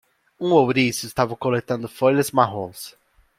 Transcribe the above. Um ouriço estava coletando folhas marrons.